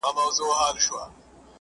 اوښ په خپلو متيازو کي خويېږي.